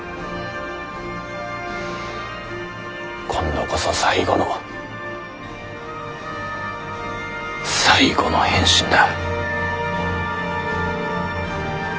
今度こそ最後の最後の変身だ。